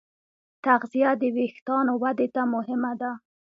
تغذیه د وېښتیانو ودې ته مهمه ده.